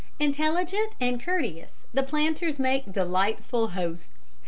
Intelligent and courteous, the planters make delightful hosts.